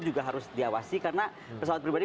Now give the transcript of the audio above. juga harus diawasi karena pesawat pribadi